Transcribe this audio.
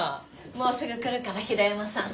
もうすぐ来るから平山さん。